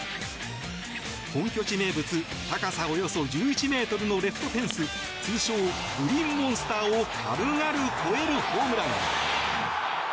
本拠地名物、高さおよそ１１ｍのレフトフェンス通称・グリーンモンスターを軽々越えるホームラン。